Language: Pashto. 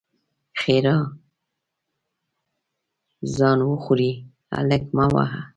ښېرا: ځان وخورې؛ هلک مه وهه!